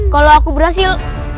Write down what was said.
kalau aku berhasil